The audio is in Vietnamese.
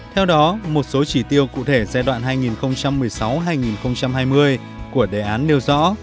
theo đó một số chỉ tiêu cụ thể giai đoạn hai nghìn một mươi sáu hai nghìn hai mươi của đề án nêu rõ